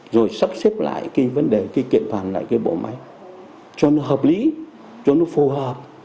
rồi sắp xếp lại cái vấn đề cái kiện toàn lại cái bộ máy cho nó hợp lý cho nó phù hợp